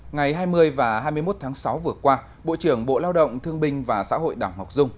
ngày hai mươi và hai mươi một tháng sáu vừa qua bộ trưởng bộ lao động thương binh và xã hội đảng ngọc dung